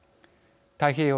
太平洋